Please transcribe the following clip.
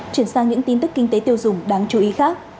chuyển sang những tin tức kinh tế tiêu dùng đáng chú ý khác